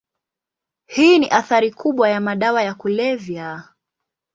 Hii ni athari kubwa ya madawa ya kulevya.